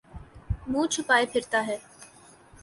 منہ چھپائے پھرتاہے۔